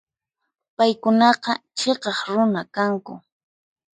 Paykunaqa chhiqaq runa kanku.